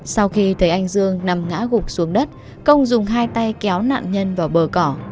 sau khi thấy anh dương nằm ngã gục xuống đất công dùng hai tay kéo nạn nhân vào bờ cỏ